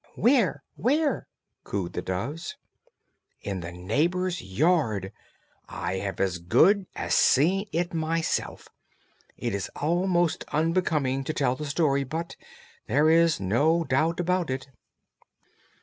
"Where? where?" cooed the doves. "In the neighbour's yard. I have as good as seen it myself. It is almost unbecoming to tell the story, but there is no doubt about it."